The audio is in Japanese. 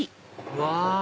うわ！